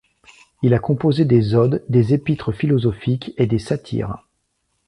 Il a composé des odes, des épîtres philosophiques et des satires.